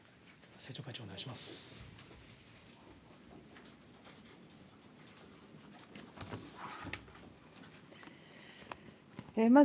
総務会長、お願いします。